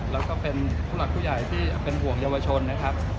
แล้วก็เป็นผู้หลักผู้ใหญ่ที่เป็นห่วงเยาวชนนะครับ